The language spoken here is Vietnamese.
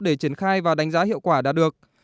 để triển khai và đánh giá hiệu quả đã được